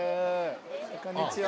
こんにちは。